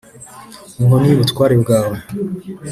Inkoni y’ubutware bwawe,